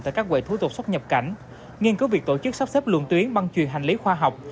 tại các quệ thú tục xuất nhập cảnh nghiên cứu việc tổ chức sắp xếp luận tuyến băng truyền hành lý khoa học